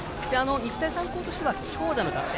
日大三高としては強打の打線。